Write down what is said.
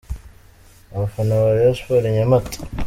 Abafana ba Rayon Sports i Nyamata.